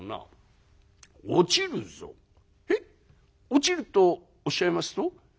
落ちるとおっしゃいますと？」。